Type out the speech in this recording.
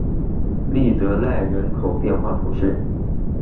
利泽赖人口变化图示